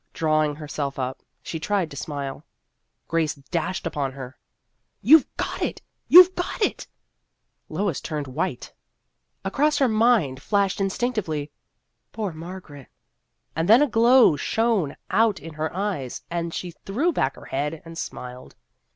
Drawing herself up, she tried to smile. Grace dashed upon her. " You Ve got it ! You Ve got it !" Lois turned white. Across her mind The History of an Ambition 53 flashed instinctively, " Poor Margaret !" And then a glow shone out in her eyes, and she threw back her head, and smiled.